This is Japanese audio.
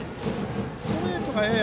ストレートが、やや。